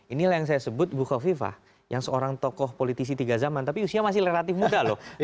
inilah yang saya sebut bukoviva yang seorang tokoh politisi tiga zaman tapi usia masih relatif muda loh